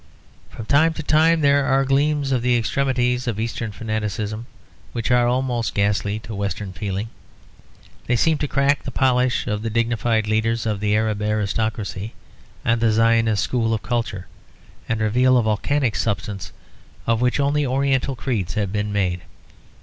From time to time there are gleams of the extremities of Eastern fanaticism which are almost ghastly to Western feeling. They seem to crack the polish of the dignified leaders of the Arab aristocracy and the Zionist school of culture, and reveal a volcanic substance of which only oriental creeds have been made.